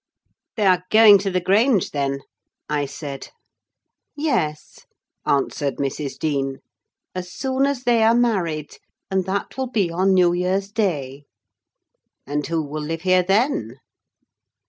"They are going to the Grange, then?" I said. "Yes," answered Mrs. Dean, "as soon as they are married, and that will be on New Year's Day." "And who will live here then?"